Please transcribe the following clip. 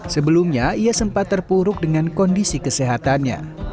sebelumnya ia sempat terpuruk dengan kondisi kesehatannya